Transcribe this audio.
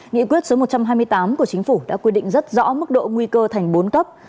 nghị quyết số một trăm hai mươi tám của chính phủ đã quy định rất rõ mức độ nguy cơ thành bốn cấp